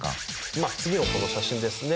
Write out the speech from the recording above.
まあ次のこの写真ですね。